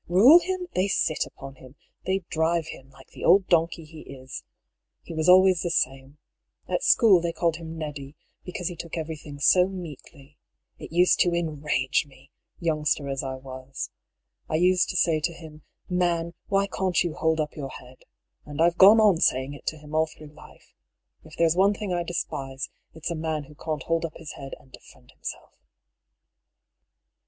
Rule him ? They sit upon him. They drive him, like the old donkey he is. He was always the same. At school they called him Neddy, because he took every AN INITIAL LETTER. 15 thing so meekly. It used to enrage me, yonngster as I was. I used to say to him :' Man, why can't you hold up your head ?' And I've gone on saying it to him all through life. If there's one thing I despise, it's a man who can't hold up his head and defend himself."